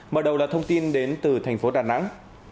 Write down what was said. mở đầu là thông tin đến từ thành phố đà nẵng